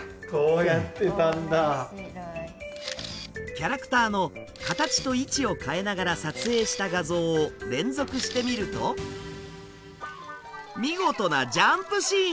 キャラクターの形と位置を変えながら撮影した画像を連続してみると見事なジャンプシーンに！